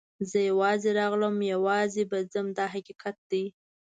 زه یوازې راغلم او یوازې به ځم دا حقیقت دی.